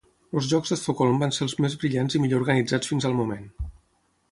Els Jocs d'Estocolm van ser els més brillants i millor organitzats fins al moment.